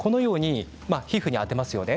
皮膚に当てますよね。